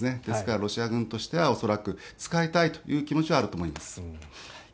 ですからロシア軍としては恐らく使いたいという気持ちはあると思います。